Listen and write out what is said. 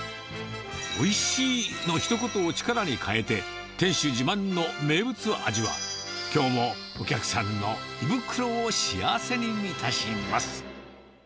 おいしいのひと言を力に変えて、店主自慢の名物味は、きょうもお客さんの胃袋を幸せに満たします。